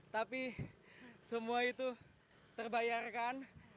tapi semua itu terbayarkan